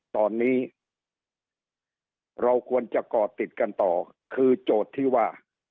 ตอนนี้เราควรจะก่อติดกันต่อคือโจทย์ที่ว่า